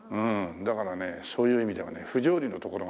だからねそういう意味ではね不条理のところがね。